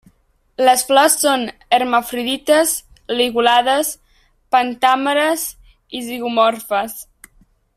Les flors són hermafrodites, ligulades, pentàmeres i zigomorfes.